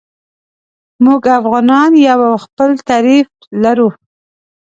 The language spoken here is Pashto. موږ افغانان یو او خپل تعریف لرو.